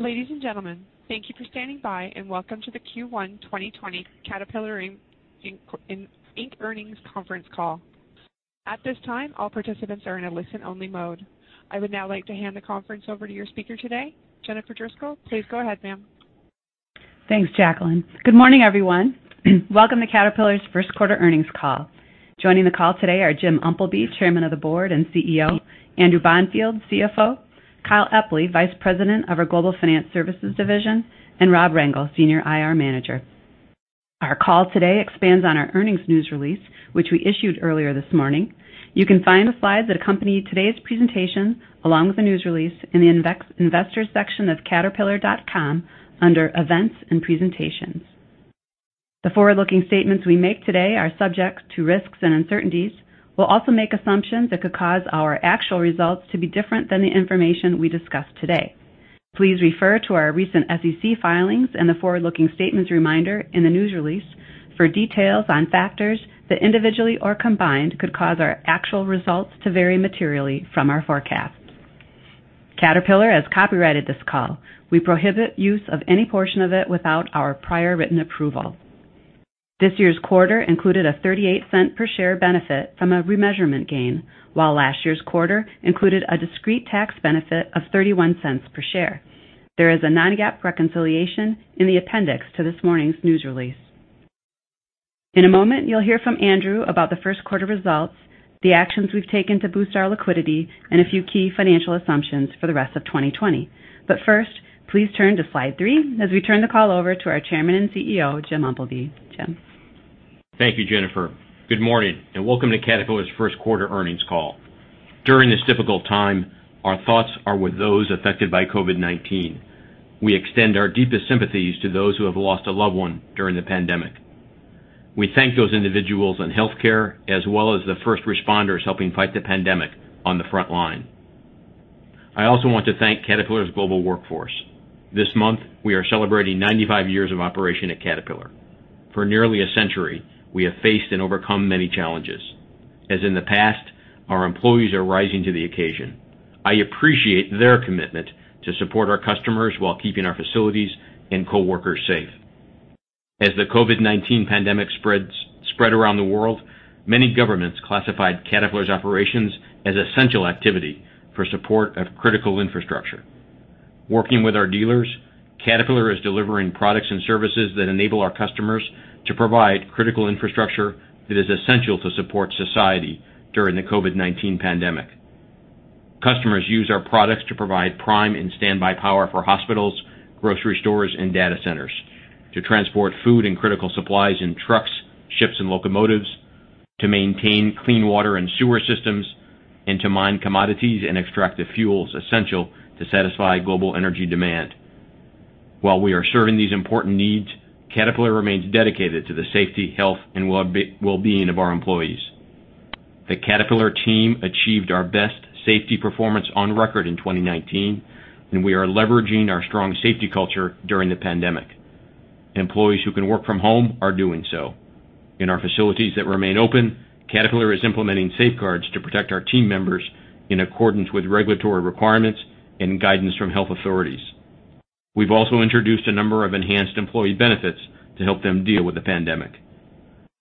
Ladies and gentlemen, thank you for standing by, and Welcome to the Q1 2020 Caterpillar Inc. Earnings Conference Call. At this time, all participants are in a listen-only mode. I would now like to hand the conference over to your speaker today, Jennifer Driscoll. Please go ahead, ma'am. Thanks, Jacqueline. Good morning, everyone. Welcome to Caterpillar's first quarter earnings call. Joining the call today are Jim Umpleby, Chairman of the Board and CEO, Andrew Bonfield, CFO, Kyle Epley, Vice President of our Global Finance Services division, and Rob Rengel, Senior IR Manager. Our call today expands on our earnings news release, which we issued earlier this morning. You can find the slides that accompany today's presentation, along with the news release, in the investors section of caterpillar.com under Events and Presentations. The forward-looking statements we make today are subject to risks and uncertainties. We will also make assumptions that could cause our actual results to be different than the information we discuss today. Please refer to our recent SEC filings and the forward-looking statements reminder in the news release for details on factors that individually or combined could cause our actual results to vary materially from our forecasts. Caterpillar has copyrighted this call. We prohibit use of any portion of it without our prior written approval. This year's quarter included a $0.38 per share benefit from a remeasurement gain, while last year's quarter included a discrete tax benefit of $0.31 per share. There is a non-GAAP reconciliation in the appendix to this morning's news release. In a moment, you'll hear from Andrew about the first quarter results, the actions we've taken to boost our liquidity, and a few key financial assumptions for the rest of 2020. First, please turn to slide three as we turn the call over to our Chairman and CEO, Jim Umpleby. Jim. Thank you, Jennifer. Good morning, and welcome to Caterpillar's first quarter earnings call. During this difficult time, our thoughts are with those affected by COVID-19. We extend our deepest sympathies to those who have lost a loved one during the pandemic. We thank those individuals in healthcare, as well as the first responders helping fight the pandemic on the front line. I also want to thank Caterpillar's global workforce. This month, we are celebrating 95 years of operation at Caterpillar. For nearly a century, we have faced and overcome many challenges. As in the past, our employees are rising to the occasion. I appreciate their commitment to support our customers while keeping our facilities and coworkers safe. As the COVID-19 pandemic spread around the world, many governments classified Caterpillar's operations as essential activity for support of critical infrastructure. Working with our dealers, Caterpillar is delivering products and services that enable our customers to provide critical infrastructure that is essential to support society during the COVID-19 pandemic. Customers use our products to provide prime and standby power for hospitals, grocery stores, and data centers, to transport food and critical supplies in trucks, ships, and locomotives, to maintain clean water and sewer systems, and to mine commodities and extract the fuels essential to satisfy global energy demand. While we are serving these important needs, Caterpillar remains dedicated to the safety, health, and well-being of our employees. The Caterpillar team achieved our best safety performance on record in 2019, and we are leveraging our strong safety culture during the pandemic. Employees who can work from home are doing so. In our facilities that remain open, Caterpillar is implementing safeguards to protect our team members in accordance with regulatory requirements and guidance from health authorities. We've also introduced a number of enhanced employee benefits to help them deal with the pandemic.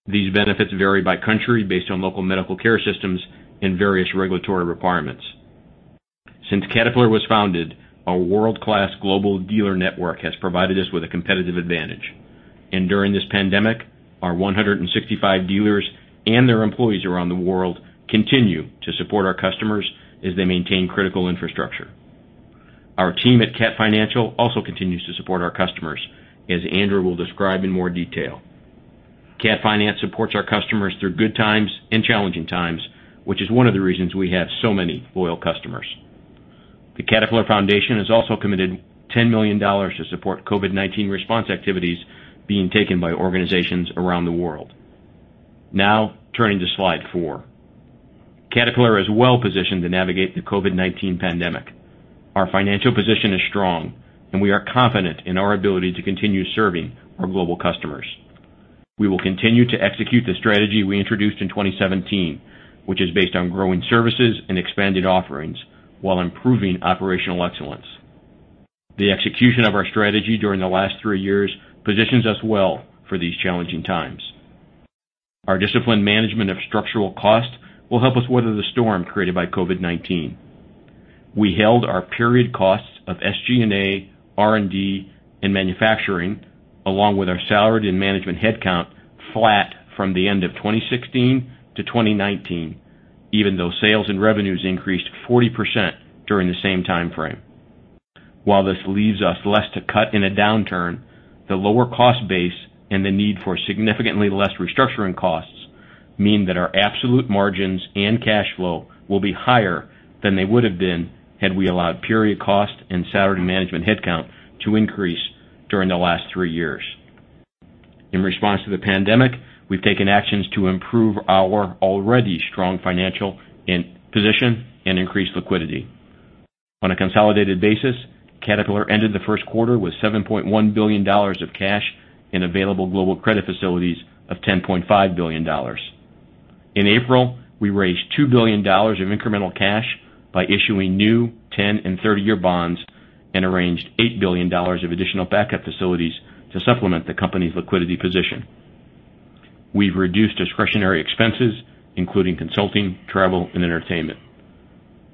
These benefits vary by country based on local medical care systems and various regulatory requirements. Since Caterpillar was founded, our world-class global dealer network has provided us with a competitive advantage, and during this pandemic, our 165 dealers and their employees around the world continue to support our customers as they maintain critical infrastructure. Our team at Caterpillar Financial Services Corporation also continues to support our customers, as Andrew will describe in more detail. Caterpillar Finance Services Corporation supports our customers through good times and challenging times, which is one of the reasons we have so many loyal customers. The Caterpillar Foundation has also committed $10 million to support COVID-19 response activities being taken by organizations around the world. Now, turning to slide four. Caterpillar is well positioned to navigate the COVID-19 pandemic. Our financial position is strong, and we are confident in our ability to continue serving our global customers. We will continue to execute the strategy we introduced in 2017, which is based on growing services and expanded offerings while improving operational excellence. The execution of our strategy during the last three years positions us well for these challenging times. Our disciplined management of structural costs will help us weather the storm created by COVID-19. We held our period costs of SG&A, R&D, and manufacturing, along with our salaried and management headcount, flat from the end of 2016-2019, even though sales and revenues increased 40% during the same time frame. While this leaves us less to cut in a downturn, the lower cost base and the need for significantly less restructuring costs mean that our absolute margins and cash flow will be higher than they would have been had we allowed period cost and salaried management headcount to increase during the last three years. In response to the pandemic, we've taken actions to improve our already strong financial position and increase liquidity. On a consolidated basis, Caterpillar ended the first quarter with $7.1 billion of cash and available global credit facilities of $10.5 billion. In April, we raised $2 billion of incremental cash by issuing new 10 and 30-year bonds and arranged $8 billion of additional backup facilities to supplement the company's liquidity position. We've reduced discretionary expenses, including consulting, travel, and entertainment.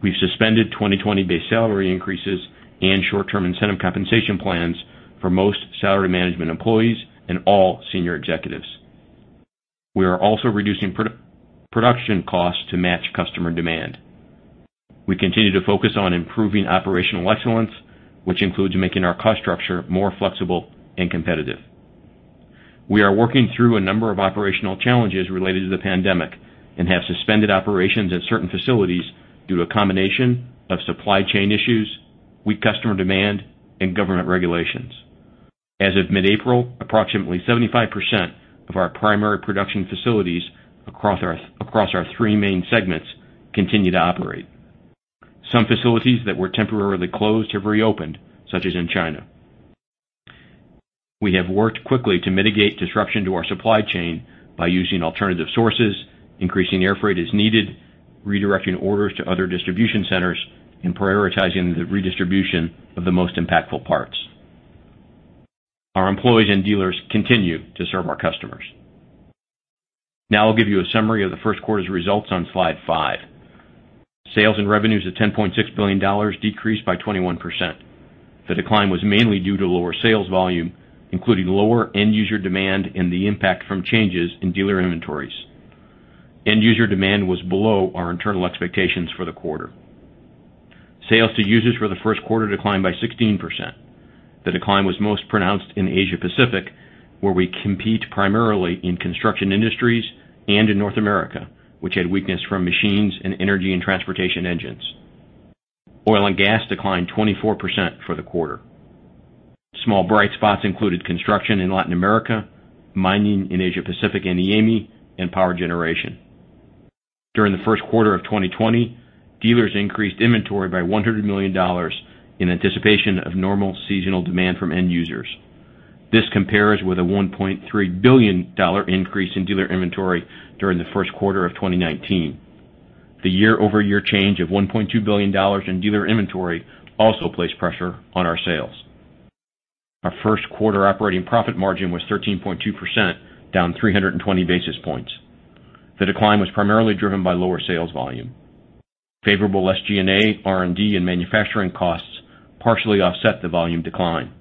We've suspended 2020 base salary increases and short-term incentive compensation plans for most salary management employees and all senior executives. We are also reducing production costs to match customer demand. We continue to focus on improving operational excellence, which includes making our cost structure more flexible and competitive. We are working through a number of operational challenges related to the pandemic and have suspended operations at certain facilities due to a combination of supply chain issues, weak customer demand, and government regulations. As of mid-April, approximately 75% of our primary production facilities across our three main segments continue to operate. Some facilities that were temporarily closed have reopened, such as in China. We have worked quickly to mitigate disruption to our supply chain by using alternative sources, increasing air freight as needed, redirecting orders to other distribution centers, and prioritizing the redistribution of the most impactful parts. Our employees and dealers continue to serve our customers. I'll give you a summary of the first quarter's results on slide five. Sales and revenues of $10.6 billion decreased by 21%. The decline was mainly due to lower sales volume, including lower end-user demand and the impact from changes in dealer inventories. End-user demand was below our internal expectations for the quarter. Sales to users for the first quarter declined by 16%. The decline was most pronounced in Asia Pacific, where we compete primarily in Construction Industries and in North America, which had weakness from machines and energy and transportation engines. Oil and gas declined 24% for the quarter. Small bright spots included construction in Latin America, mining in Asia Pacific and EAME, and power generation. During the first quarter of 2020, dealers increased inventory by $100 million in anticipation of normal seasonal demand from end users. This compares with a $1.3 billion increase in dealer inventory during the first quarter of 2019. The year-over-year change of $1.2 billion in dealer inventory also placed pressure on our sales. Our first quarter operating profit margin was 13.2%, down 320 basis points. The decline was primarily driven by lower sales volume. Favorable SG&A, R&D, and manufacturing costs partially offset the volume decline.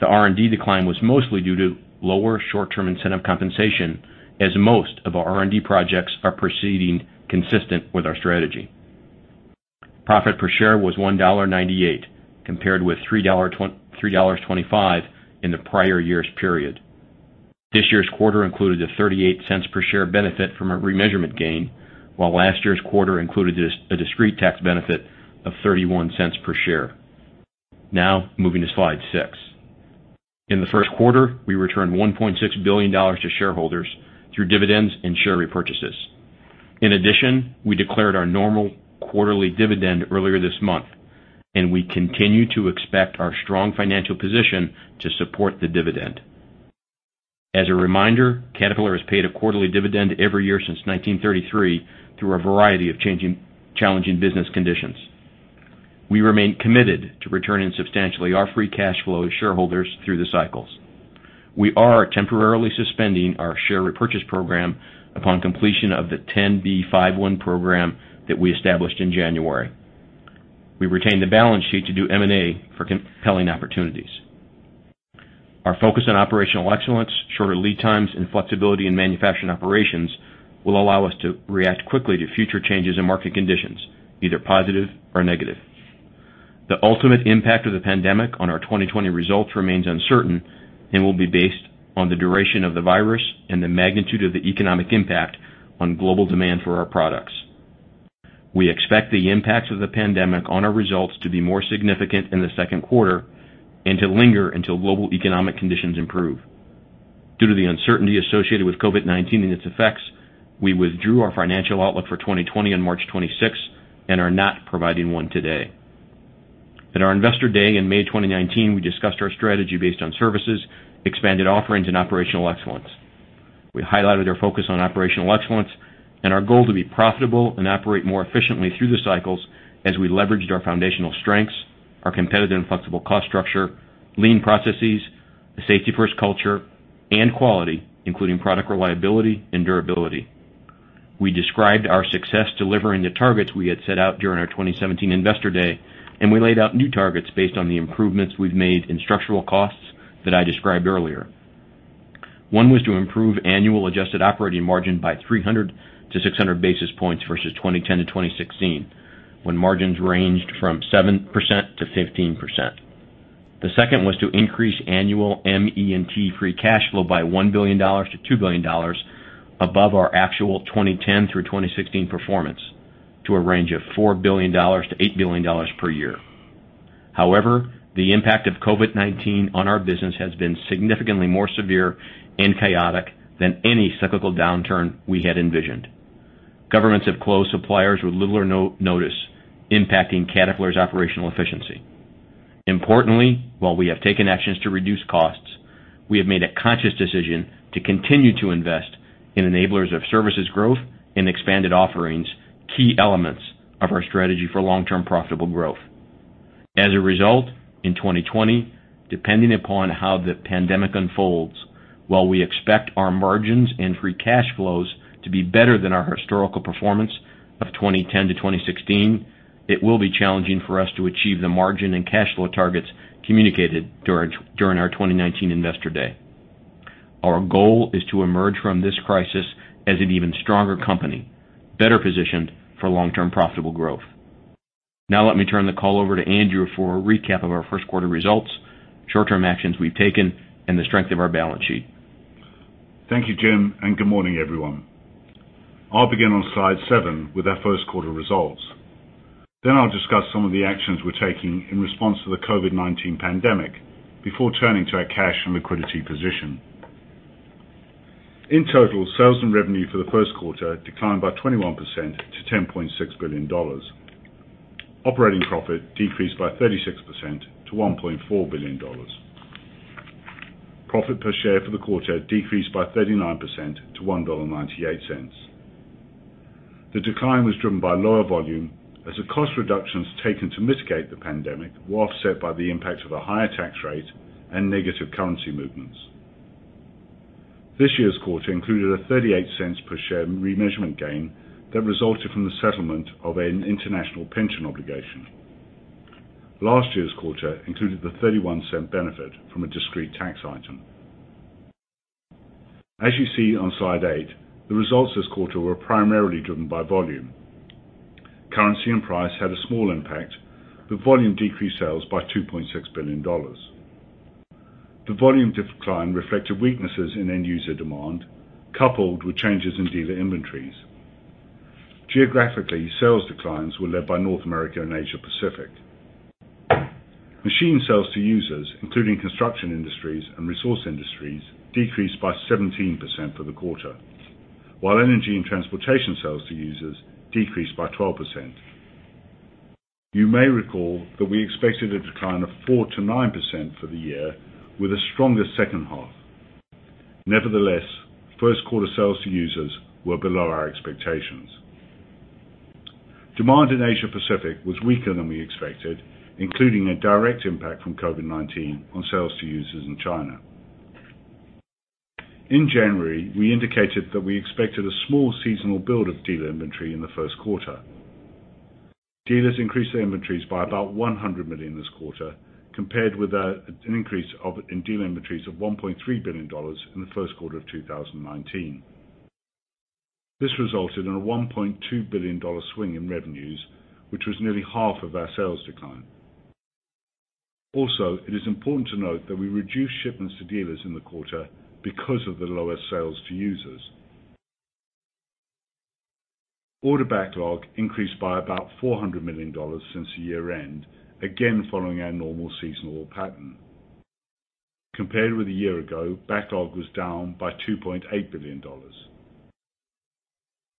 The R&D decline was mostly due to lower short-term incentive compensation, as most of our R&D projects are proceeding consistent with our strategy. Profit per share was $1.98, compared with $3.25 in the prior year's period. This year's quarter included a $0.38 per share benefit from a remeasurement gain, while last year's quarter included a discrete tax benefit of $0.31 per share. Now, moving to slide six. In the first quarter, we returned $1.6 billion to shareholders through dividends and share repurchases. In addition, we declared our normal quarterly dividend earlier this month, and we continue to expect our strong financial position to support the dividend. As a reminder, Caterpillar has paid a quarterly dividend every year since 1933 through a variety of challenging business conditions. We remain committed to returning substantially our free cash flow to shareholders through the cycles. We are temporarily suspending our share repurchase program upon completion of the 10b5-1 program that we established in January. We retained the balance sheet to do M&A for compelling opportunities. Our focus on operational excellence, shorter lead times, and flexibility in manufacturing operations will allow us to react quickly to future changes in market conditions, either positive or negative. The ultimate impact of the pandemic on our 2020 results remains uncertain and will be based on the duration of the virus and the magnitude of the economic impact on global demand for our products. We expect the impacts of the pandemic on our results to be more significant in the second quarter and to linger until global economic conditions improve. Due to the uncertainty associated with COVID-19 and its effects, we withdrew our financial outlook for 2020 on March 26th and are not providing one today. At our Investor Day in May 2019, we discussed our strategy based on services, expanded offerings, and operational excellence. We highlighted our focus on operational excellence and our goal to be profitable and operate more efficiently through the cycles as we leveraged our foundational strengths, our competitive and flexible cost structure, lean processes, a safety-first culture, and quality, including product reliability and durability. We described our success delivering the targets we had set out during our 2017 Investor Day, and we laid out new targets based on the improvements we've made in structural costs that I described earlier. One was to improve annual adjusted operating margin by 300-600 basis points versus 2010-2016, when margins ranged from 7%-15%. The second was to increase annual ME&T free cash flow by $1 billion-$2 billion above our actual 2010-2016 performance, to a range of $4 billion-$8 billion per year. The impact of COVID-19 on our business has been significantly more severe and chaotic than any cyclical downturn we had envisioned. Governments have closed suppliers with little or no notice, impacting Caterpillar's operational efficiency. Importantly, while we have taken actions to reduce costs, we have made a conscious decision to continue to invest in enablers of services growth and expanded offerings, key elements of our strategy for long-term profitable growth. As a result, in 2020, depending upon how the pandemic unfolds, while we expect our margins and free cash flows to be better than our historical performance of 2010-2016, it will be challenging for us to achieve the margin and cash flow targets communicated during our 2019 Investor Day. Our goal is to emerge from this crisis as an even stronger company, better positioned for long-term profitable growth. Now let me turn the call over to Andrew for a recap of our first quarter results, short-term actions we've taken, and the strength of our balance sheet. Thank you, Jim, and good morning, everyone. I'll begin on slide seven with our first quarter results. I'll discuss some of the actions we're taking in response to the COVID-19 pandemic, before turning to our cash and liquidity position. In total, sales and revenue for the first quarter declined by 21% to $10.6 billion. Operating profit decreased by 36% to $1.4 billion. Profit per share for the quarter decreased by 39% to $1.98. The decline was driven by lower volume as the cost reductions taken to mitigate the pandemic were offset by the impact of a higher tax rate and negative currency movements. This year's quarter included a $0.38 per share remeasurement gain that resulted from the settlement of an international pension obligation. Last year's quarter included the $0.31 benefit from a discrete tax item. As you see on slide eight, the results this quarter were primarily driven by volume. Currency and price had a small impact, volume decreased sales by $2.6 billion. The volume decline reflected weaknesses in end-user demand coupled with changes in dealer inventories. Geographically, sales declines were led by North America and Asia Pacific. Machine sales to users, including Construction Industries and Resource Industries, decreased by 17% for the quarter, while Energy and Transportation sales to users decreased by 12%. You may recall that we expected a decline of 4%-9% for the year with a stronger second half. Nevertheless, first quarter sales to users were below our expectations. Demand in Asia Pacific was weaker than we expected, including a direct impact from COVID-19 on sales to users in China. In January, we indicated that we expected a small seasonal build of dealer inventory in the first quarter. Dealers increased their inventories by about $100 million this quarter compared with an increase in dealer inventories of $1.3 billion in the first quarter of 2019. This resulted in a $1.2 billion swing in revenues, which was nearly half of our sales decline. Also, it is important to note that we reduced shipments to dealers in the quarter because of the lower sales to users. Order backlog increased by about $400 million since the year-end, again, following our normal seasonal pattern. Compared with a year ago, backlog was down by $2.8 billion.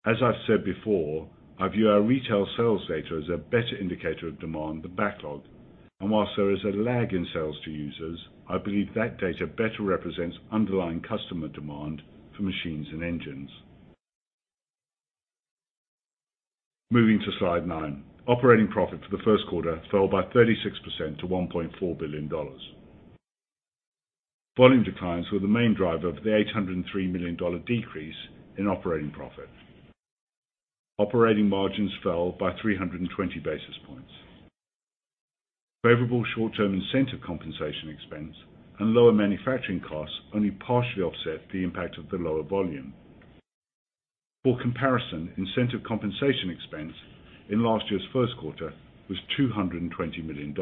As I've said before, I view our retail sales data as a better indicator of demand than backlog. Whilst there is a lag in sales to users, I believe that data better represents underlying customer demand for machines and engines. Moving to slide nine. Operating profit for the first quarter fell by 36% to $1.4 billion. Volume declines were the main driver of the $803 million decrease in operating profit. Operating margins fell by 320 basis points. Favorable short-term incentive compensation expense and lower manufacturing costs only partially offset the impact of the lower volume. For comparison, incentive compensation expense in last year's first quarter was $220 million.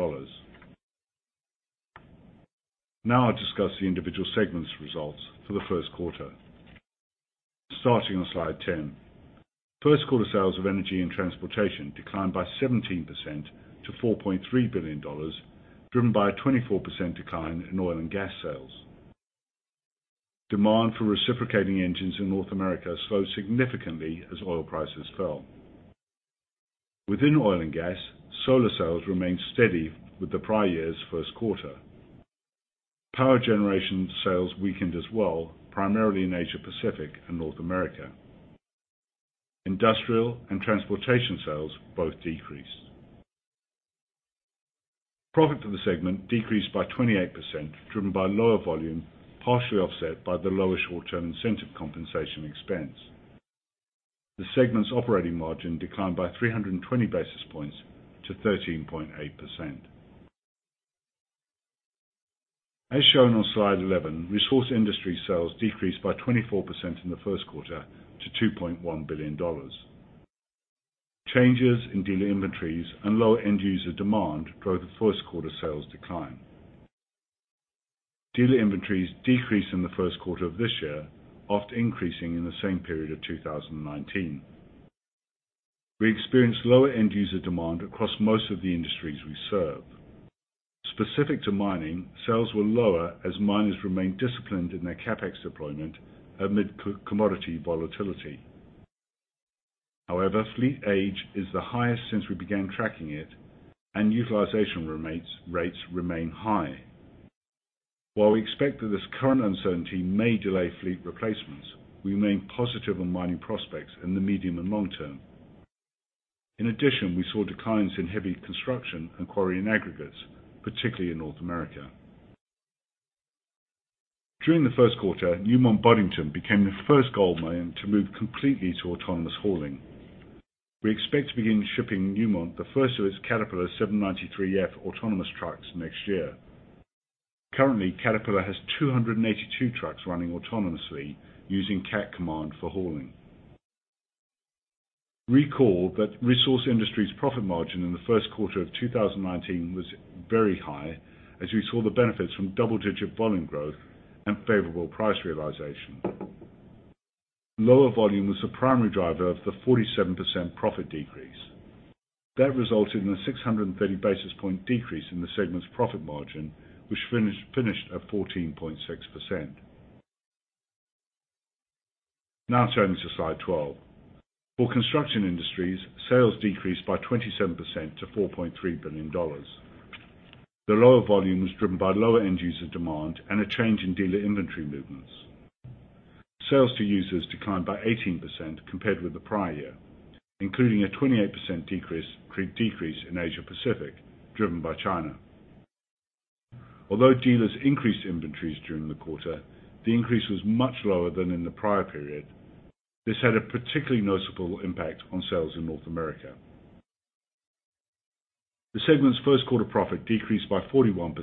Now I'll discuss the individual segments results for the first quarter. Starting on slide 10. First quarter sales of Energy and Transportation declined by 17% to $4.3 billion, driven by a 24% decline in oil and gas sales. Demand for reciprocating engines in North America slowed significantly as oil prices fell. Within oil and gas, Solar sales remained steady with the prior year's first quarter. Power generation sales weakened as well, primarily in Asia Pacific and North America. Industrial and transportation sales both decreased. Profit for the segment decreased by 28%, driven by lower volume, partially offset by the lower short-term incentive compensation expense. The segment's operating margin declined by 320 basis points to 13.8%. As shown on slide 11, Resource Industries sales decreased by 24% in the first quarter to $2.1 billion. Changes in dealer inventories and lower end user demand drove the first quarter sales decline. Dealer inventories decreased in the first quarter of this year after increasing in the same period of 2019. We experienced lower end user demand across most of the industries we serve. Specific to mining, sales were lower as miners remained disciplined in their CapEx deployment amid commodity volatility. However, fleet age is the highest since we began tracking it, and utilization rates remain high. While we expect that this current uncertainty may delay fleet replacements, we remain positive on mining prospects in the medium and long term. In addition, we saw declines in heavy construction and quarry and aggregates, particularly in North America. During the first quarter, Newmont Boddington became the first gold mine to move completely to autonomous hauling. We expect to begin shipping Newmont, the first of its Caterpillar 793F autonomous trucks next year. Currently, Caterpillar has 282 trucks running autonomously using Cat Command for hauling. Recall that Resource Industries' profit margin in the first quarter of 2019 was very high, as we saw the benefits from double-digit volume growth and favorable price realization. Lower volume was the primary driver of the 47% profit decrease. That resulted in a 630-basis-point decrease in the segment's profit margin, which finished at 14.6%. Turning to slide 12. For Construction Industries, sales decreased by 27% to $4.3 billion. The lower volume was driven by lower end user demand and a change in dealer inventory movements. Sales to users declined by 18% compared with the prior year, including a 28% decrease in Asia Pacific, driven by China. Although dealers increased inventories during the quarter, the increase was much lower than in the prior period. This had a particularly noticeable impact on sales in North America. The segment's first quarter profit decreased by 41%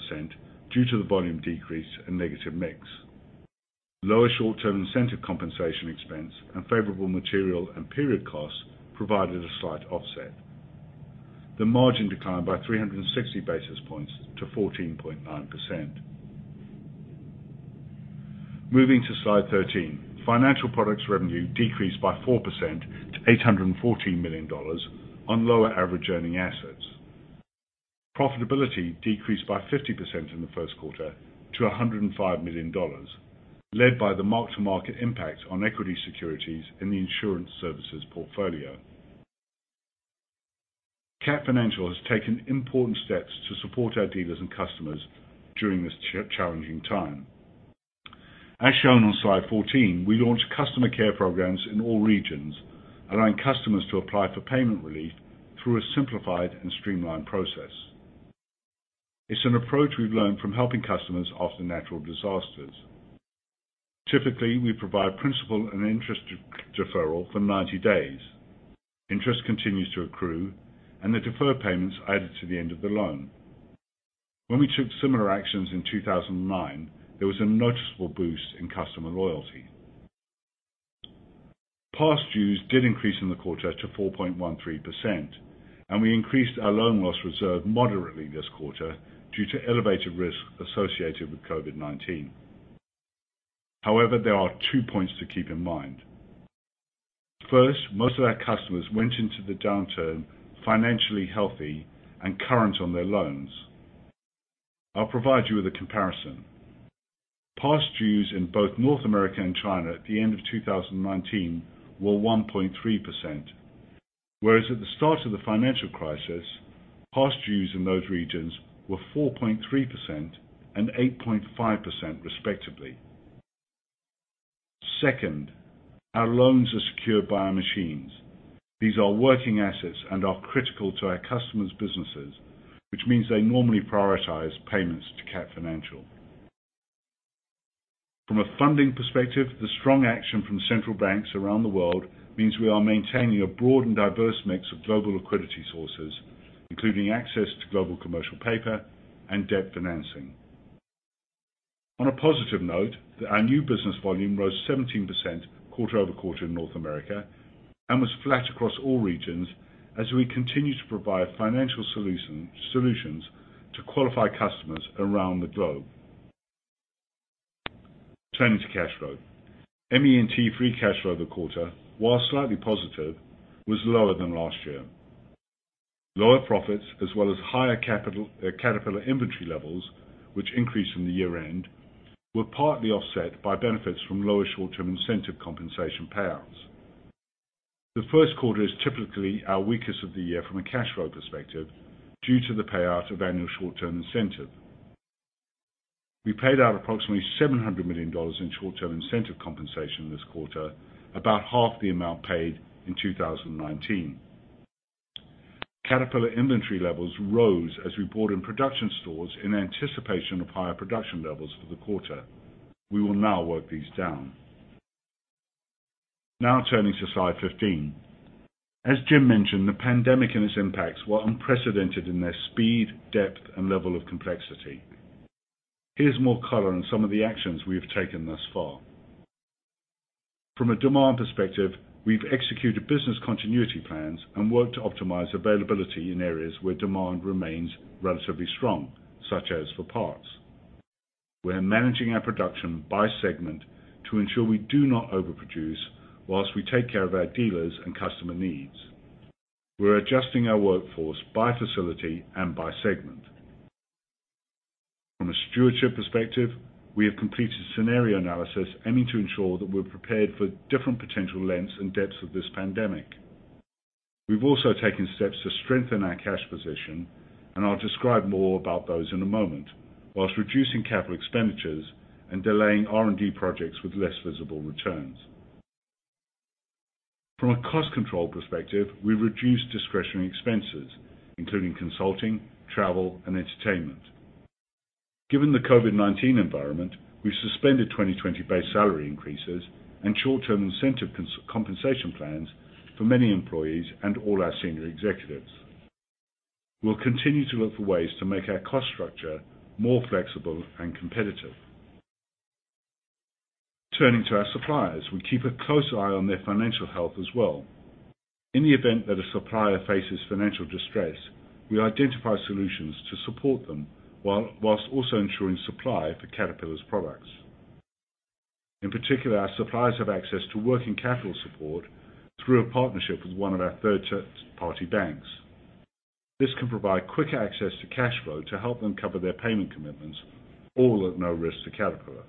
due to the volume decrease and negative mix. Lower short-term incentive compensation expense and favorable material and period costs provided a slight offset. The margin declined by 360 basis points to 14.9%. Moving to slide 13, Financial Products revenue decreased by 4% to $814 million on lower average earning assets. Profitability decreased by 50% in the first quarter to $105 million, led by the mark-to-market impact on equity securities in the insurance services portfolio. Caterpillar Financial has taken important steps to support our dealers and customers during this challenging time. As shown on slide 14, we launched customer care programs in all regions, allowing customers to apply for payment relief through a simplified and streamlined process. It's an approach we've learned from helping customers after natural disasters. Typically, we provide principal and interest deferral for 90 days. Interest continues to accrue, and the deferred payment is added to the end of the loan. When we took similar actions in 2009, there was a noticeable boost in customer loyalty. Past dues did increase in the quarter to 4.13%, and we increased our loan loss reserve moderately this quarter due to elevated risk associated with COVID-19. However, there are two points to keep in mind. First, most of our customers went into the downturn financially healthy and current on their loans. I'll provide you with a comparison. Past dues in both North America and China at the end of 2019 were 1.3%, whereas at the start of the financial crisis, past dues in those regions were 4.3% and 8.5% respectively. Second, our loans are secured by our machines. These are working assets and are critical to our customers' businesses, which means they normally prioritize payments to Cat Financial. From a funding perspective, the strong action from central banks around the world means we are maintaining a broad and diverse mix of global liquidity sources, including access to global commercial paper and debt financing. On a positive note, our new business volume rose 17% quarter-over-quarter in North America and was flat across all regions as we continue to provide financial solutions to qualified customers around the globe. Turning to cash flow. ME&T free cash flow the quarter, while slightly positive, was lower than last year. Lower profits as well as higher Caterpillar inventory levels, which increased from the year-end, were partly offset by benefits from lower short-term incentive compensation payouts. The first quarter is typically our weakest of the year from a cash flow perspective due to the payout of annual short-term incentive. We paid out approximately $700 million in short-term incentive compensation this quarter, about half the amount paid in 2019. Caterpillar inventory levels rose as we brought in production stores in anticipation of higher production levels for the quarter. We will now work these down. Turning to slide 15. As Jim mentioned, the pandemic and its impacts were unprecedented in their speed, depth, and level of complexity. Here's more color on some of the actions we have taken thus far. From a demand perspective, we've executed business continuity plans and worked to optimize availability in areas where demand remains relatively strong, such as for parts. We're managing our production by segment to ensure we do not overproduce whilst we take care of our dealers' and customer needs. We're adjusting our workforce by facility and by segment. From a stewardship perspective, we have completed scenario analysis aiming to ensure that we're prepared for different potential lengths and depths of this pandemic. We've also taken steps to strengthen our cash position, and I'll describe more about those in a moment, whilst reducing capital expenditures and delaying R&D projects with less visible returns. From a cost control perspective, we've reduced discretionary expenses, including consulting, travel, and entertainment. Given the COVID-19 environment, we've suspended 2020 base salary increases and short-term incentive compensation plans for many employees and all our senior executives. We'll continue to look for ways to make our cost structure more flexible and competitive. Turning to our suppliers, we keep a close eye on their financial health as well. In the event that a supplier faces financial distress, we identify solutions to support them while also ensuring supply for Caterpillar's products. In particular, our suppliers have access to working capital support through a partnership with one of our third-party banks. This can provide quick access to cash flow to help them cover their payment commitments, all at no risk to Caterpillar.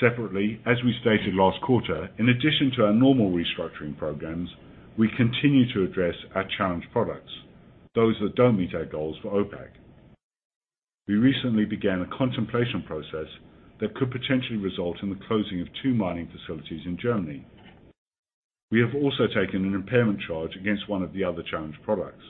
Separately, as we stated last quarter, in addition to our normal restructuring programs, we continue to address our challenged products, those that don't meet our goals for OPACC. We recently began a contemplation process that could potentially result in the closing of two mining facilities in Germany. We have also taken an impairment charge against one of the other challenged products.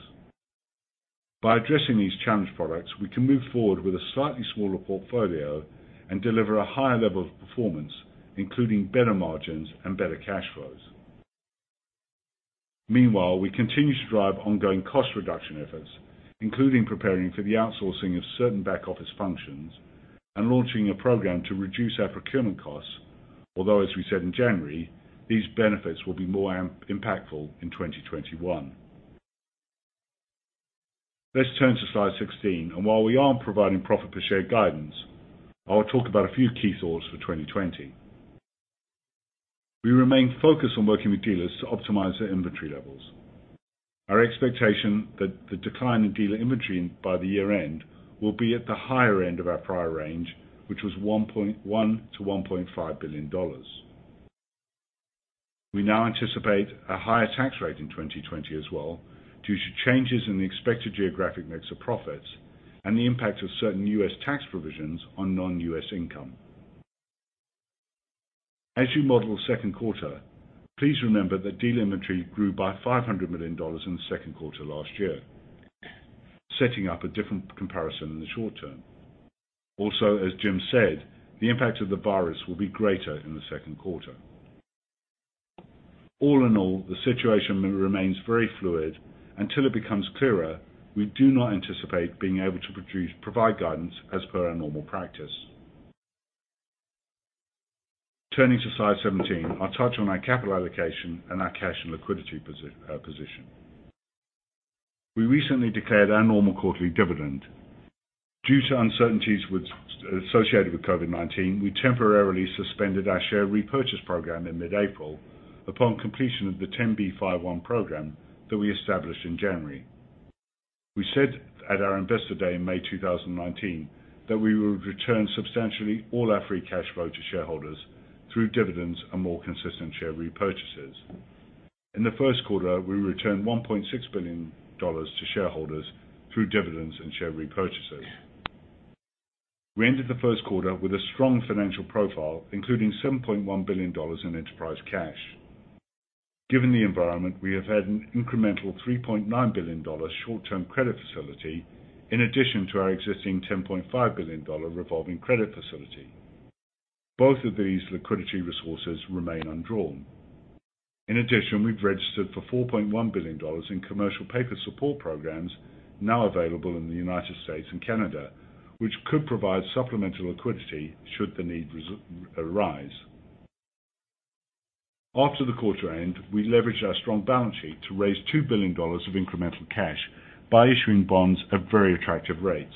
By addressing these challenged products, we can move forward with a slightly smaller portfolio and deliver a higher level of performance, including better margins and better cash flows. Meanwhile, we continue to drive ongoing cost reduction efforts, including preparing for the outsourcing of certain back-office functions and launching a program to reduce our procurement costs, although as we said in January, these benefits will be more impactful in 2021. Let's turn to slide 16. While we aren't providing profit per share guidance, I will talk about a few key thoughts for 2020. We remain focused on working with dealers to optimize their inventory levels. Our expectation that the decline in dealer inventory by the year-end will be at the higher end of our prior range, which was $1 billion-$1.5 billion. We now anticipate a higher tax rate in 2020 as well due to changes in the expected geographic mix of profits and the impact of certain U.S. tax provisions on non-U.S. income. As you model second quarter, please remember that dealer inventory grew by $500 million in the second quarter last year, setting up a different comparison in the short term. Also, as Jim said, the impact of the virus will be greater in the second quarter. All in all, the situation remains very fluid. Until it becomes clearer, we do not anticipate being able to provide guidance as per our normal practice. Turning to slide 17, I'll touch on our capital allocation and our cash and liquidity position. We recently declared our normal quarterly dividend. Due to uncertainties associated with COVID-19, we temporarily suspended our share repurchase program in mid-April upon completion of the 10b5-1 program that we established in January. We said at our Investor Day in May 2019 that we would return substantially all our free cash flow to shareholders through dividends and more consistent share repurchases. In the first quarter, we returned $1.6 billion to shareholders through dividends and share repurchases. We ended the first quarter with a strong financial profile, including $7.1 billion in enterprise cash. Given the environment, we have had an incremental $3.9 billion short-term credit facility in addition to our existing $10.5 billion revolving credit facility. Both of these liquidity resources remain undrawn. In addition, we've registered for $4.1 billion in commercial paper support programs now available in the United States and Canada, which could provide supplemental liquidity should the need arise. After the quarter end, we leveraged our strong balance sheet to raise $2 billion of incremental cash by issuing bonds at very attractive rates.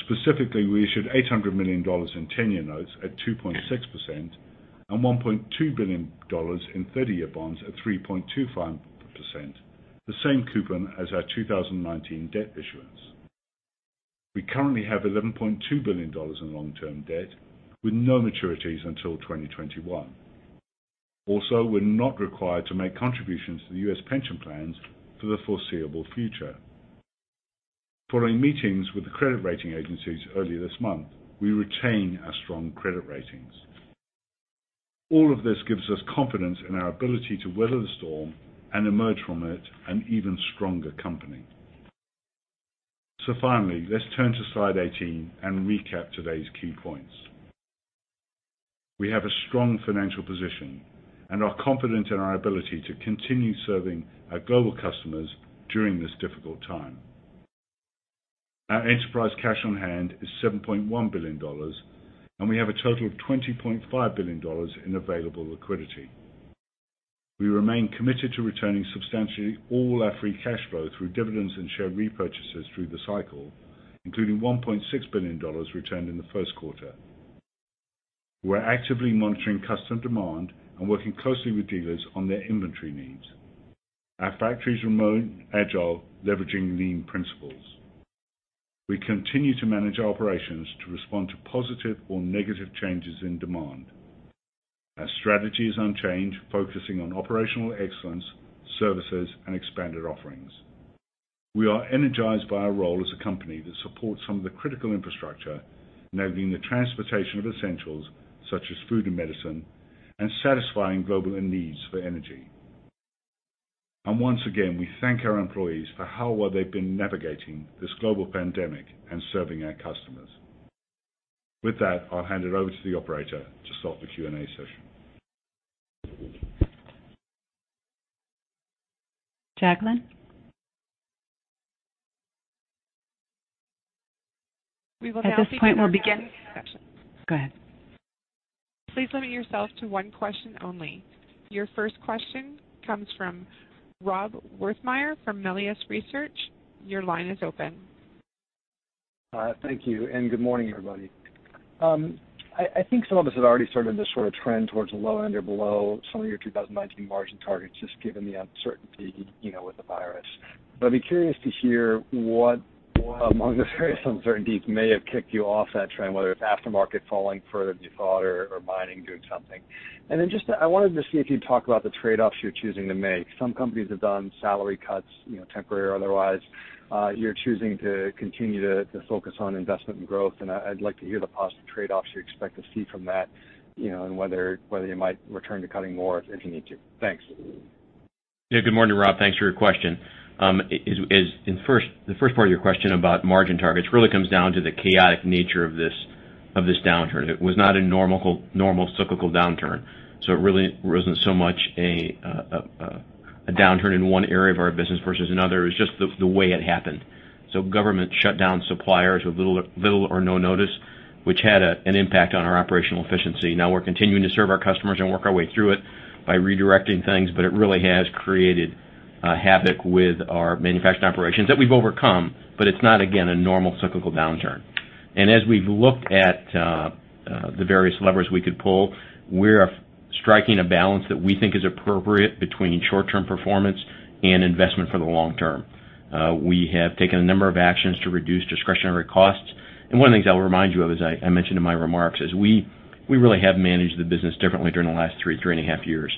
Specifically, we issued $800 million in 10-year notes at 2.6% and $1.2 billion in 30-year bonds at 3.25%, the same coupon as our 2019 debt issuance. We currently have $11.2 billion in long-term debt with no maturities until 2021. We're not required to make contributions to the U.S. pension plans for the foreseeable future. Following meetings with the credit rating agencies earlier this month, we retain our strong credit ratings. All of this gives us confidence in our ability to weather the storm and emerge from it an even stronger company. Finally, let's turn to slide 18 and recap today's key points. We have a strong financial position and are confident in our ability to continue serving our global customers during this difficult time. Our enterprise cash on hand is $7.1 billion. We have a total of $20.5 billion in available liquidity. We remain committed to returning substantially all our free cash flow through dividends and share repurchases through the cycle, including $1.6 billion returned in the first quarter. We're actively monitoring customer demand and working closely with dealers on their inventory needs. Our factory is remote agile, leveraging lean principles. We continue to manage our operations to respond to positive or negative changes in demand. Our strategy is unchanged, focusing on operational excellence, services, and expanded offerings. We are energized by our role as a company that supports some of the critical infrastructure, enabling the transportation of essentials such as food and medicine, and satisfying global needs for energy. Once again, we thank our employees for how well they've been navigating this global pandemic and serving our customers. With that, I'll hand it over to the operator to start the Q&A session. Jacqueline? We will now begin. At this point we'll begin the session. Go ahead. Please limit yourself to one question only. Your first question comes from Rob Wertheimer from Melius Research. Your line is open. Thank you, good morning, everybody. I think some of us had already started this sort of trend towards low end or below some of your 2019 margin targets, just given the uncertainty with the virus. I'd be curious to hear what among the various uncertainties may have kicked you off that trend, whether it's aftermarket falling further than you thought or mining doing something. I wanted to see if you'd talk about the trade-offs you're choosing to make. Some companies have done salary cuts, temporary or otherwise. You're choosing to continue to focus on investment and growth, and I'd like to hear the possible trade-offs you expect to see from that, and whether you might return to cutting more if you need to. Thanks. Good morning, Rob. Thanks for your question. The first part of your question about margin targets really comes down to the chaotic nature of this downturn. It was not a normal cyclical downturn, so it really wasn't so much a downturn in one area of our business versus another. It was just the way it happened. Government shut down suppliers with little or no notice, which had an impact on our operational efficiency. We're continuing to serve our customers and work our way through it by redirecting things, but it really has created havoc with our manufacturing operations. That we've overcome, but it's not, again, a normal cyclical downturn. As we've looked at the various levers we could pull, we're striking a balance that we think is appropriate between short-term performance and investment for the long term. We have taken a number of actions to reduce discretionary costs. One of the things I will remind you of, as I mentioned in my remarks, is we really have managed the business differently during the last three and a half years.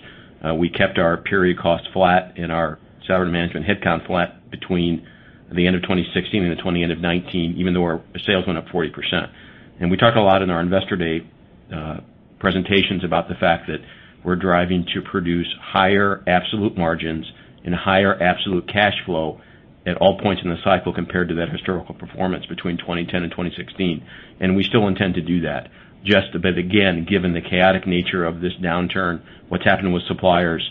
We kept our period costs flat and our salary management headcount flat between the end of 2016 and the end of 2019, even though our sales went up 40%. We talk a lot in our Investor Day presentations about the fact that we're driving to produce higher absolute margins and higher absolute cash flow at all points in the cycle compared to that historical performance between 2010 and 2016. We still intend to do that. Just that, again, given the chaotic nature of this downturn, what's happened with suppliers,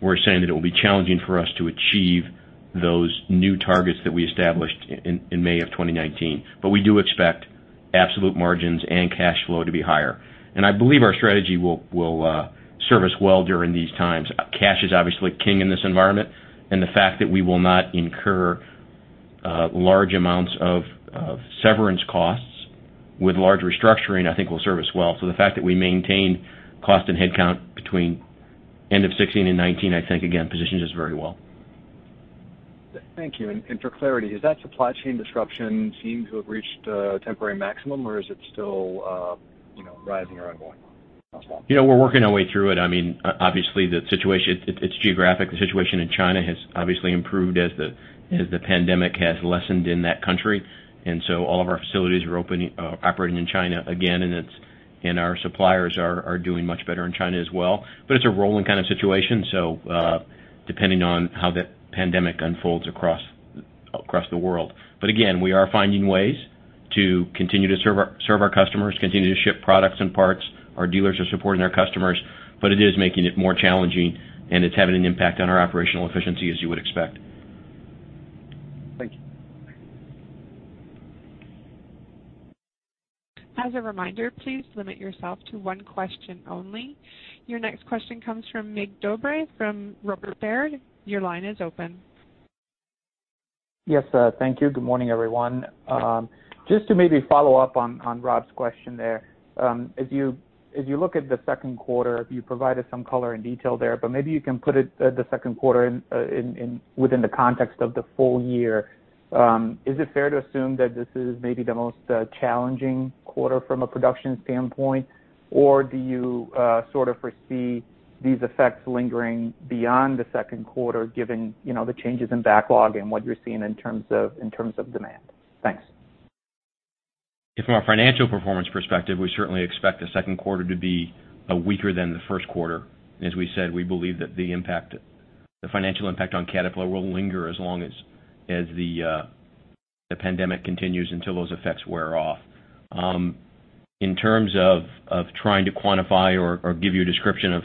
we're saying that it will be challenging for us to achieve those new targets that we established in May of 2019. We do expect absolute margins and cash flow to be higher. I believe our strategy will serve us well during these times. Cash is obviously king in this environment, and the fact that we will not incur large amounts of severance costs with large restructuring, I think will serve us well. The fact that we maintained cost and headcount between end of 2016 and 2019, I think, again, positions us very well. Thank you. For clarity, has that supply chain disruption seemed to have reached a temporary maximum, or is it still rising or ongoing? We're working our way through it. Obviously, it's geographic. The situation in China has obviously improved as the pandemic has lessened in that country. All of our facilities are operating in China again, and our suppliers are doing much better in China as well. It's a rolling kind of situation, so depending on how the pandemic unfolds across the world. Again, we are finding ways to continue to serve our customers, continue to ship products and parts. Our dealers are supporting their customers. It is making it more challenging, and it's having an impact on our operational efficiency, as you would expect. Thank you. As a reminder, please limit yourself to one question only. Your next question comes from Mig Dobre from Robert W. Baird. Your line is open. Yes. Thank you. Good morning, everyone. Just to maybe follow up on Rob's question there. As you look at the second quarter, you provided some color and detail there, but maybe you can put the second quarter within the context of the full year. Is it fair to assume that this is maybe the most challenging quarter from a production standpoint, or do you sort of foresee these effects lingering beyond the second quarter given the changes in backlog and what you're seeing in terms of demand? Thanks. From a financial performance perspective, we certainly expect the second quarter to be weaker than the first quarter. As we said, we believe that the financial impact on Caterpillar will linger as long as the pandemic continues until those effects wear off. In terms of trying to quantify or give you a description of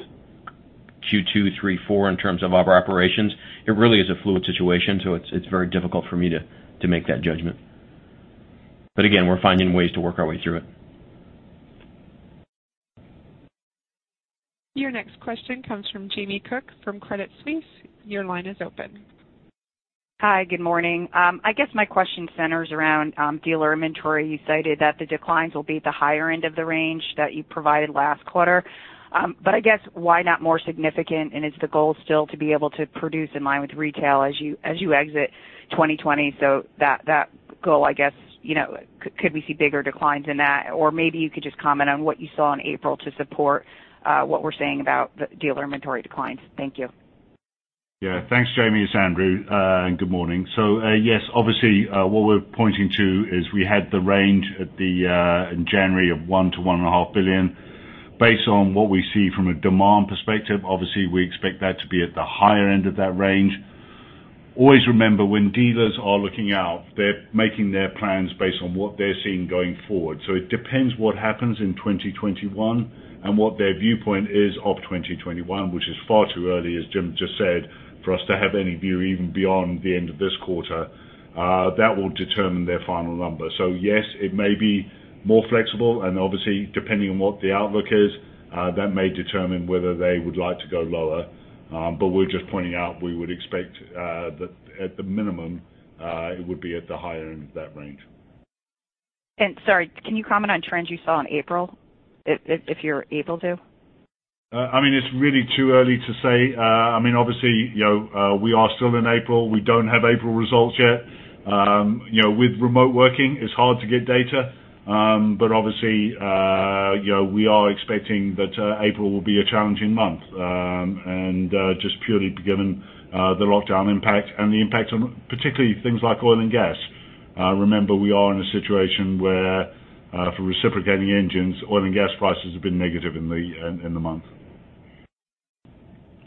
Q2, Q3, Q4 in terms of our operations, it really is a fluid situation, so it's very difficult for me to make that judgment. Again, we're finding ways to work our way through it. Your next question comes from Jamie Cook from Credit Suisse. Your line is open. Hi, good morning. I guess my question centers around dealer inventory. You cited that the declines will be at the higher end of the range that you provided last quarter. I guess, why not more significant? Is the goal still to be able to produce in line with retail as you exit 2020? That goal, I guess, could we see bigger declines in that? Maybe you could just comment on what you saw in April to support what we're saying about the dealer inventory declines. Thank you. Thanks, Jamie. It's Andrew. Good morning. Yes, obviously, what we're pointing to is we had the range in January of $1 billion-$1.5 billion. Based on what we see from a demand perspective, obviously, we expect that to be at the higher end of that range. Always remember, when dealers are looking out, they're making their plans based on what they're seeing going forward. It depends what happens in 2021 and what their viewpoint is of 2021, which is far too early, as Jim just said, for us to have any view, even beyond the end of this quarter. That will determine their final number. Yes, it may be more flexible, and obviously, depending on what the outlook is, that may determine whether they would like to go lower. We're just pointing out we would expect that at the minimum, it would be at the higher end of that range. Sorry, can you comment on trends you saw in April, if you're able to? It's really too early to say. Obviously, we are still in April. We don't have April results yet. With remote working, it's hard to get data. Obviously, we are expecting that April will be a challenging month, and just purely given the lockdown impact and the impact on particularly things like oil and gas. Remember, we are in a situation where, for reciprocating engines, oil and gas prices have been negative in the month.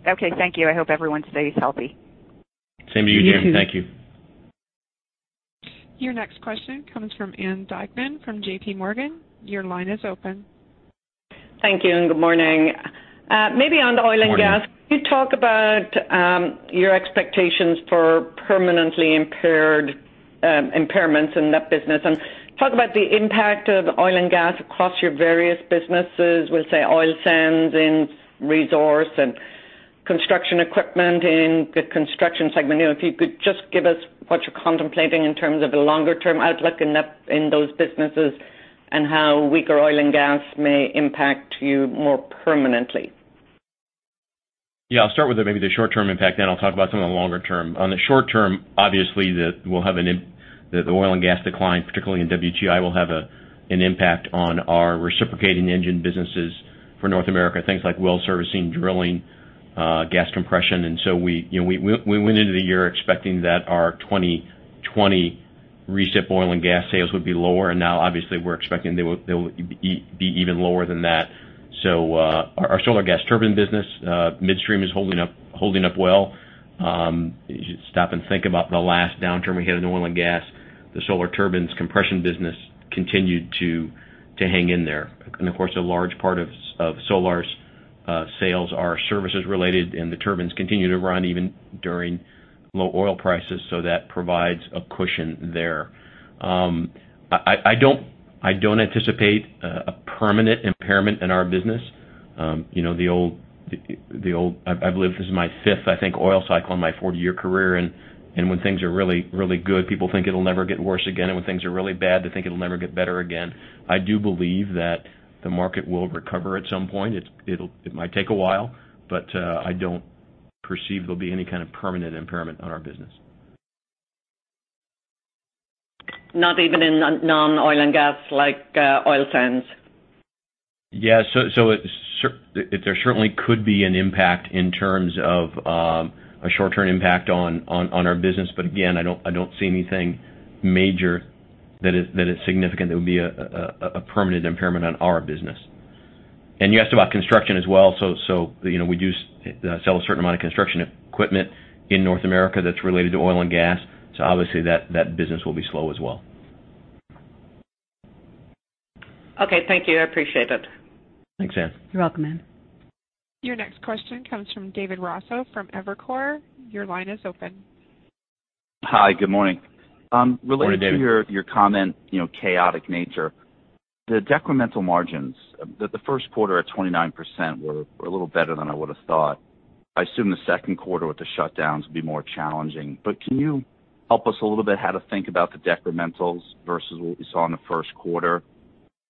Okay, thank you. I hope everyone stays healthy. Same to you, Jamie. Thank you. Your next question comes from Ann Duignan from JPMorgan. Your line is open. Thank you, and good morning. Morning. Maybe on the oil and gas, can you talk about your expectations for permanent impairments in that business, and talk about the impact of oil and gas across your various businesses, we'll say oil sands in Resource and construction equipment in the Construction segment. If you could just give us what you're contemplating in terms of the longer-term outlook in those businesses and how weaker oil and gas may impact you more permanently. Yeah. I'll start with maybe the short-term impact, then I'll talk about some of the longer term. On the short term, obviously, the oil and gas decline, particularly in WTI, will have an impact on our reciprocating engine businesses for North America, things like well servicing, drilling, gas compression. We went into the year expecting that our 2020 recip oil and gas sales would be lower, and now obviously we're expecting they will be even lower than that. Our Solar gas turbine business midstream is holding up well. You stop and think about the last downturn we had in oil and gas, the Solar Turbines compression business continued to hang in there. A large part of Solar's sales are services related, and the turbines continue to run even during low oil prices, so that provides a cushion there. I don't anticipate a permanent impairment in our business. I've lived through, this is my fifth, I think, oil cycle in my 40-year career, and when things are really good, people think it'll never get worse again, and when things are really bad, they think it'll never get better again. I do believe that the market will recover at some point. It might take a while, but I don't perceive there'll be any kind of permanent impairment on our business. Not even in non-oil and gas, like oil sands? Yeah. There certainly could be an impact in terms of a short-term impact on our business. Again, I don't see anything major that is significant that would be a permanent impairment on our business. You asked about construction as well, so we do sell a certain amount of construction equipment in North America that's related to oil and gas. Obviously that business will be slow as well. Okay, thank you. I appreciate it. Thanks, Ann. You're welcome, Ann. Your next question comes from David Raso from Evercore. Your line is open. Hi, good morning. Morning, David. Related to your comment, chaotic nature. The decremental margins, the first quarter at 29% were a little better than I would've thought. I assume the second quarter with the shutdowns will be more challenging. Can you help us a little bit how to think about the decrementals versus what we saw in the first quarter?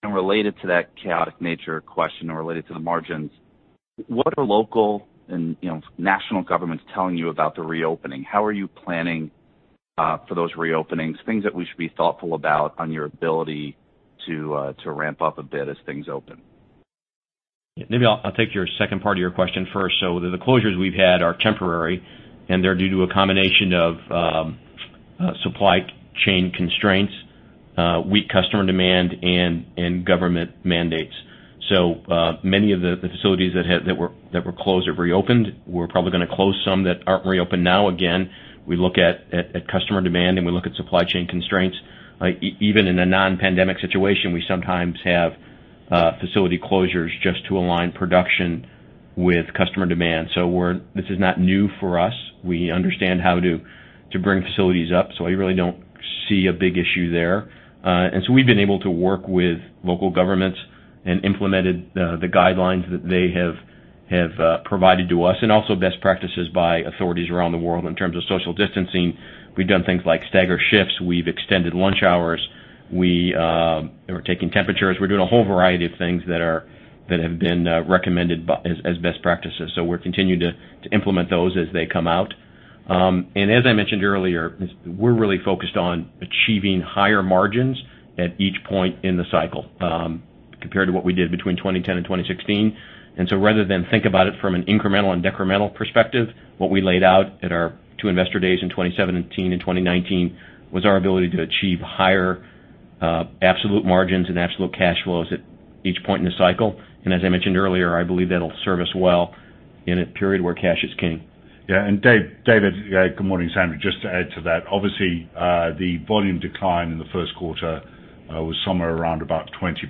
Related to that chaotic nature question or related to the margins, what are local and national governments telling you about the reopening? How are you planning for those reopenings, things that we should be thoughtful about on your ability to ramp up a bit as things open? Maybe I'll take your second part of your question first. The closures we've had are temporary, and they're due to a combination of supply chain constraints, weak customer demand, and government mandates. Many of the facilities that were closed have reopened. We're probably going to close some that aren't reopened now again. We look at customer demand, and we look at supply chain constraints. Even in a non-pandemic situation, we sometimes have facility closures just to align production with customer demand. This is not new for us. We understand how to bring facilities up. I really don't see a big issue there. We've been able to work with local governments and implemented the guidelines that they have provided to us, and also best practices by authorities around the world in terms of social distancing. We've done things like stagger shifts. We've extended lunch hours. We are taking temperatures. We're doing a whole variety of things that have been recommended as best practices. We're continuing to implement those as they come out. As I mentioned earlier, we're really focused on achieving higher margins at each point in the cycle compared to what we did between 2010 and 2016. Rather than think about it from an incremental and decremental perspective, what we laid out at our two Investor Days in 2017 and 2019 was our ability to achieve higher absolute margins and absolute cash flows at each point in the cycle. As I mentioned earlier, I believe that'll serve us well in a period where cash is king. Yeah. David, David, good morning, Andrew, just to add to that. Obviously, the volume decline in the first quarter was somewhere around about 20%.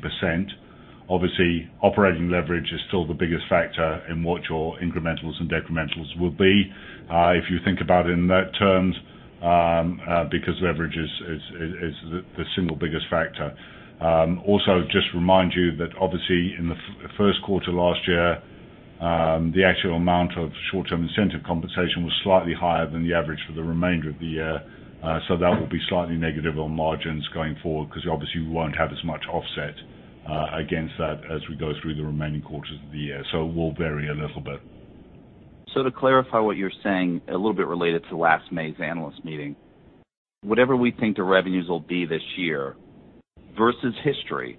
Obviously, operating leverage is still the biggest factor in what your incrementals and decrementals will be. If you think about it in those terms, because leverage is the single biggest factor. Also, just remind you that obviously in the first quarter last year, the actual amount of short-term incentive compensation was slightly higher than the average for the remainder of the year. That will be slightly negative on margins going forward because obviously we won't have as much offset against that as we go through the remaining quarters of the year. It will vary a little bit. To clarify what you're saying, a little bit related to last May's Investor Day, whatever we think the revenues will be this year versus history,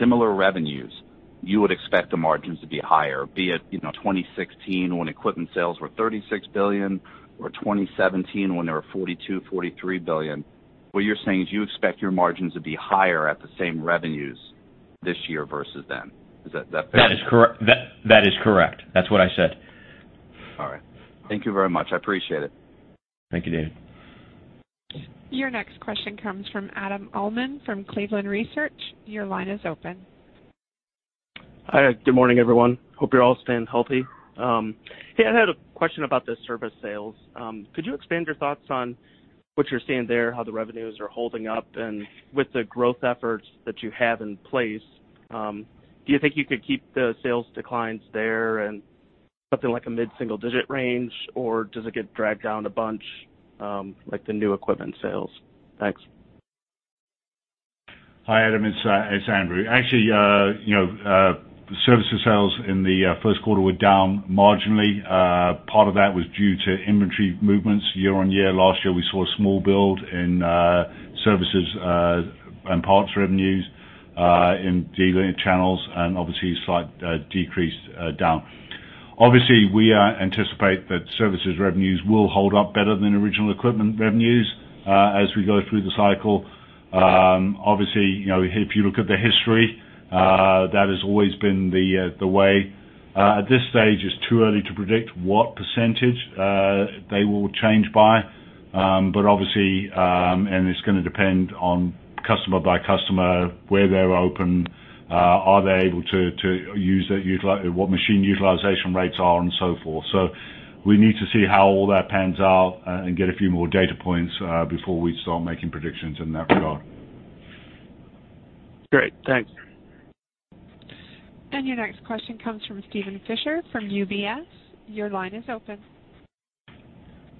similar revenues, you would expect the margins to be higher, be it 2016 when equipment sales were $36 billion or 2017 when they were $42, $43 billion. What you're saying is you expect your margins to be higher at the same revenues this year versus then. Is that fair? That is correct. That's what I said. All right. Thank you very much. I appreciate it. Thank you, David. Your next question comes from Adam Uhlman from Cleveland Research. Your line is open. Hi. Good morning, everyone. Hope you're all staying healthy. Hey, I had a question about the service sales. Could you expand your thoughts on what you're seeing there, how the revenues are holding up, With the growth efforts that you have in place, do you think you could keep the sales declines there and something like a mid-single-digit range, or does it get dragged down a bunch, like the new equipment sales? Thanks. Hi, Adam, it's Andrew. Actually, services sales in the first quarter were down marginally. Part of that was due to inventory movements year-over-year. Last year, we saw a small build in services and parts revenues in dealer channels and obviously a slight decrease down. We anticipate that services revenues will hold up better than original equipment revenues as we go through the cycle. If you look at the history, that has always been the way. At this stage, it's too early to predict what % they will change by. It's going to depend on customer by customer, where they're open, are they able to use it, what machine utilization rates are, and so forth. We need to see how all that pans out and get a few more data points before we start making predictions in that regard. Great. Thanks. Your next question comes from Steven Fisher from UBS. Your line is open.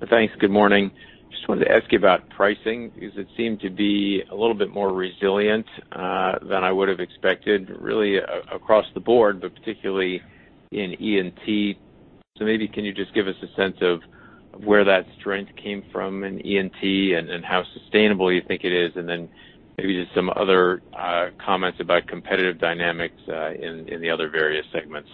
Thanks. Good morning. Just wanted to ask you about pricing, because it seemed to be a little bit more resilient than I would have expected, really across the board, but particularly in E&T. Maybe can you just give us a sense of where that strength came from in E&T and how sustainable you think it is, and then maybe just some other comments about competitive dynamics in the other various segments?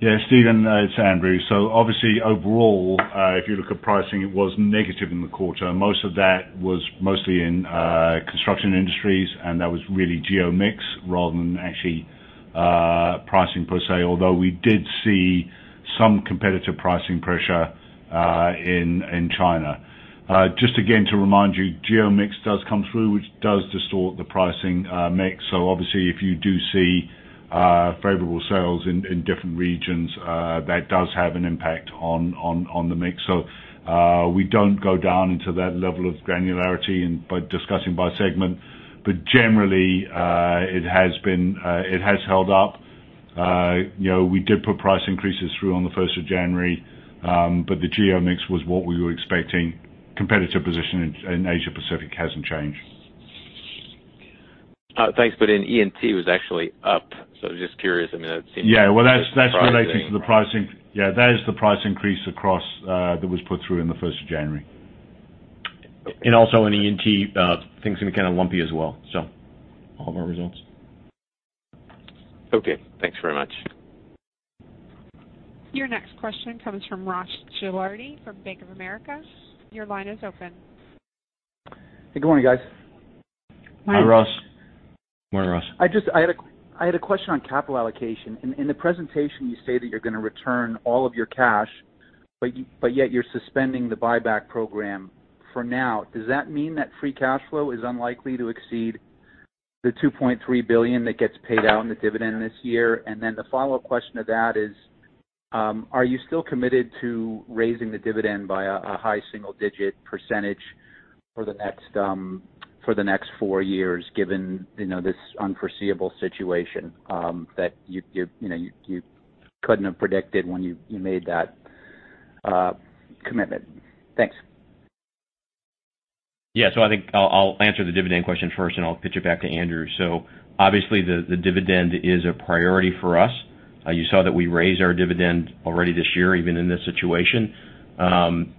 Yeah. Steven, it's Andrew. Obviously overall, if you look at pricing, it was negative in the quarter. Most of that was mostly in Construction Industries, that was really geo mix rather than actually pricing per se, although we did see some competitive pricing pressure in China. Just again to remind you, geo mix does come through, which does distort the pricing mix. Obviously if you do see favorable sales in different regions, that does have an impact on the mix. We don't go down into that level of granularity by discussing by segment. Generally, it has held up. We did put price increases through on the 1st of January, the geo mix was what we were expecting. Competitive position in Asia Pacific hasn't changed. Thanks. In E&T, it was actually up. Just curious. Yeah. Well, that's relating to the pricing. Yeah, that is the price increase across that was put through in the 1st of January. Also in E&T, things can be kind of lumpy as well, so all of our results. Okay. Thanks very much. Your next question comes from Ross Gilardi from Bank of America. Your line is open. Hey, good morning, guys. Hi, Ross. Morning, Ross. I had a question on capital allocation. In the presentation, you say that you're going to return all of your cash, but yet you're suspending the buyback program for now. Does that mean that free cash flow is unlikely to exceed the $2.3 billion that gets paid out in the dividend this year. The follow-up question to that is, are you still committed to raising the dividend by a high single-digit percentage for the next four years, given this unforeseeable situation that you couldn't have predicted when you made that commitment? Thanks. Yeah. I think I'll answer the dividend question first, and I'll pitch it back to Andrew. Obviously, the dividend is a priority for us. You saw that we raised our dividend already this year, even in this situation.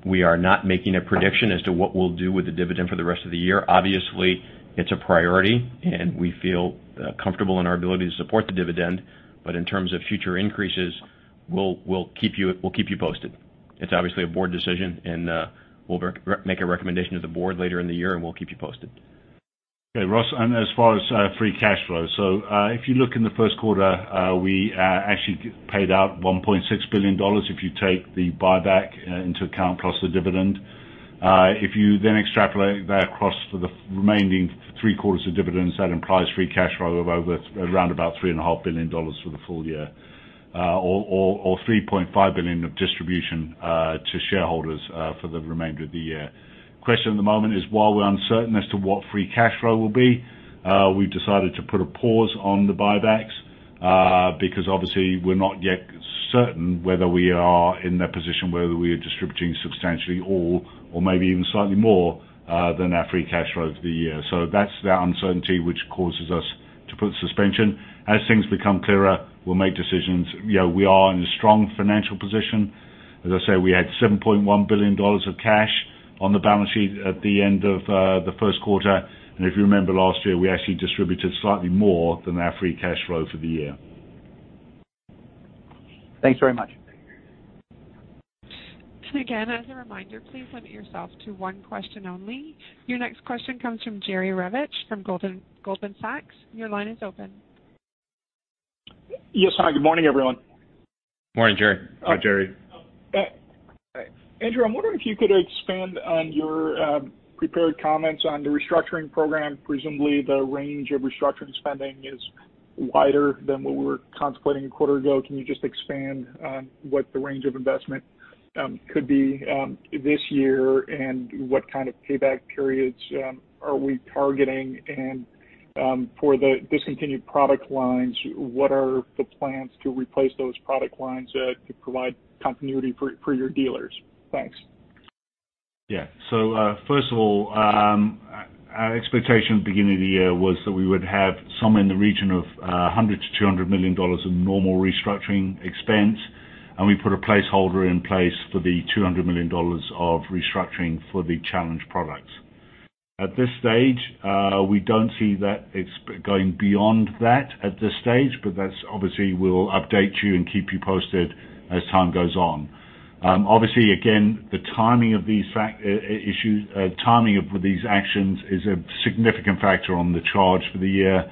We are not making a prediction as to what we'll do with the dividend for the rest of the year. Obviously, it's a priority, and we feel comfortable in our ability to support the dividend. In terms of future increases, we'll keep you posted. It's obviously a board decision, and we'll make a recommendation to the board later in the year, and we'll keep you posted. Ross, as far as free cash flow. If you look in the first quarter, we actually paid out $1.6 billion if you take the buyback into account, plus the dividend. If you extrapolate that across for the remaining three quarters of dividends, that implies free cash flow of over around about $3.5 billion for the full year, or $3.5 billion of distribution to shareholders for the remainder of the year. Question at the moment is, while we're uncertain as to what free cash flow will be, we've decided to put a pause on the buybacks, because obviously we're not yet certain whether we are in the position where we are distributing substantially all or maybe even slightly more than our free cash flow for the year. That's the uncertainty which causes us to put suspension. As things become clearer, we'll make decisions. We are in a strong financial position. As I said, we had $7.1 billion of cash on the balance sheet at the end of the first quarter. If you remember last year, we actually distributed slightly more than our free cash flow for the year. Thanks very much. Again, as a reminder, please limit yourself to one question only. Your next question comes from Jerry Revich from Goldman Sachs. Your line is open. Yes. Hi, good morning, everyone. Morning, Jerry. Hi, Jerry. Andrew, I'm wondering if you could expand on your prepared comments on the restructuring program. Presumably, the range of restructuring spending is wider than what we were contemplating a quarter ago. Can you just expand on what the range of investment could be this year, and what kind of payback periods are we targeting? For the discontinued product lines, what are the plans to replace those product lines to provide continuity for your dealers? Thanks. Yeah. First of all, our expectation at the beginning of the year was that we would have somewhere in the region of $100 million-$200 million in normal restructuring expense, and we put a placeholder in place for the $200 million of restructuring for the challenged products. At this stage, we don't see that it's going beyond that at this stage, obviously, we'll update you and keep you posted as time goes on. Obviously, again, the timing of these actions is a significant factor on the charge for the year.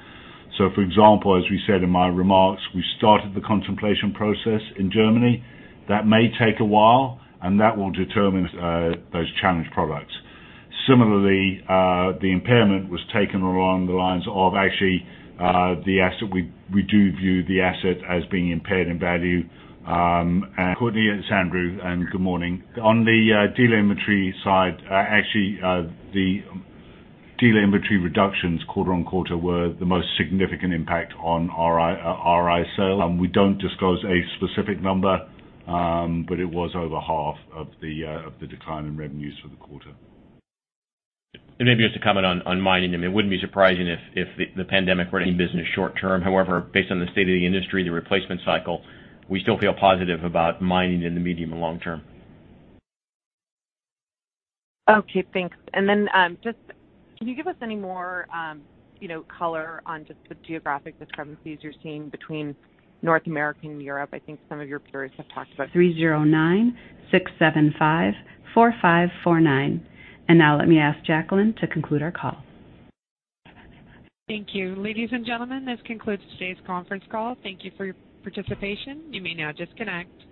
For example, as we said in my remarks, we started the contemplation process in Germany. That may take a while, that will determine those challenged products. Similarly, the impairment was taken along the lines of actually the asset. We do view the asset as being impaired in value. Courtney at William Blair, good morning. On the dealer inventory side, actually, the dealer inventory reductions quarter-on-quarter were the most significant impact on RI sales. It was over half of the decline in revenues for the quarter. Maybe just to comment on mining, I mean, it wouldn't be surprising if the COVID-19 pandemic were to business short term. However, based on the state of the industry, the replacement cycle, we still feel positive about mining in the medium and long term. Okay, thanks. Just, can you give us any more color on just the geographic discrepancies you're seeing between North America and Europe? I think some of your peers have talked about. 309-675-4549. Now let me ask Jacqueline to conclude our call. Thank you. Ladies and gentlemen, this concludes today's conference call. Thank you for your participation. You may now disconnect.